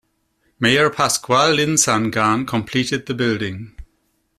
Mayor Pascual Linsangan completed the building.